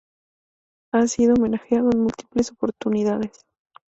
Ha sido homenajeado en múltiples oportunidades.